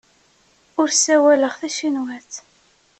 Ur ssawaleɣ tacinwat.